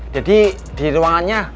deddy di ruangannya